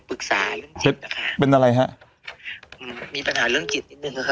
ปรึกษาเรื่องจิตอ่ะค่ะเป็นอะไรฮะมีปัญหาเรื่องจิตนิดหนึ่งค่ะ